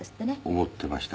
思っていました。